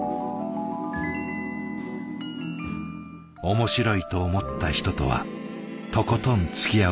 面白いと思った人とはとことんつきあうのが流儀。